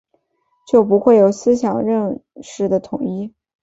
就不会有思想认识的统一